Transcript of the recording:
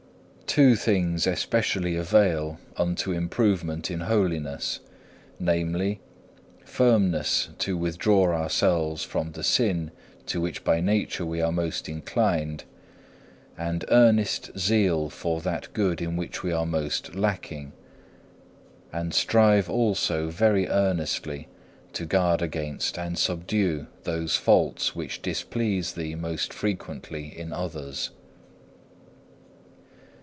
Two things specially avail unto improvement in holiness, namely firmness to withdraw ourselves from the sin to which by nature we are most inclined, and earnest zeal for that good in which we are most lacking. And strive also very earnestly to guard against and subdue those faults which displease thee most frequently in others.